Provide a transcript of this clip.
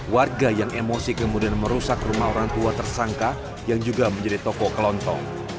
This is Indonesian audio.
warga yang emosi kemudian merusak rumah orang tua tersangka yang juga menjadi toko kelontong